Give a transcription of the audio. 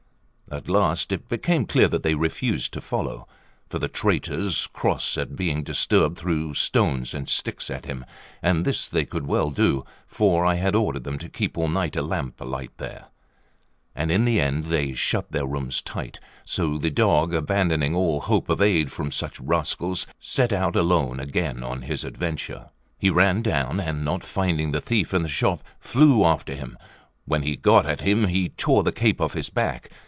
At last it became clear that they refused to follow; for the traitors, cross at being disturbed, threw stones and sticks at him; and this they could well do, for I had ordered them to keep all night a lamp alight there; and in the end they shut their rooms tight; so the dog, abandoning all hope of aid from such rascals, set out alone again on his adventure. He ran down, and not finding the thief in the shop, flew after him. When he got at him, he tore the cape off his back.